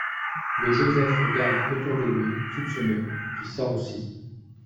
Le Joseph regarde autour de lui, soupçonneux, puis sort aussi.